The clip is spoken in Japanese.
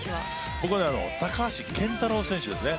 僕は高橋健太郎選手です。